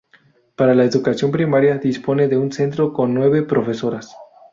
Para la educación primaria dispone de un centro con nueve profesoras.